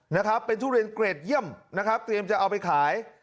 นะครับเป็นทุเรียนเกรดเยี่ยมนะครับเตรียมจะเอาไปขาย